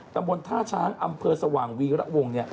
ดรท่าช้างอำเภอสว่างวีระวงศ์